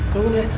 lan bangun ya